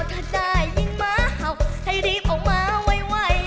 ถ้าได้ยิ่งหมาเห่าให้รีบออกมาไว